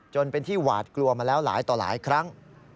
จนเป็นที่หวาดกลัวมาแล้วหลายต่อหลายครั้ง